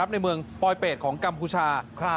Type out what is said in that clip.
ในเมืองปลอยเป็ดของกัมพูชา